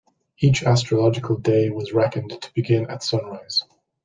Each astrological day was reckoned to begin at sunrise.